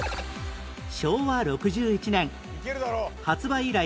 昭和６１年発売以来